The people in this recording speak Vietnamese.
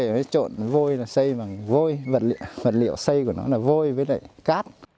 mới trộn vôi xây bằng vôi vật liệu xây của nó là vôi với lại cát